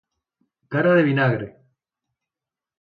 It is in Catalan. Cara de vinagre.